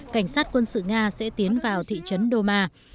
cảnh sát quân sự nga sẽ tiến vào thị trấn doma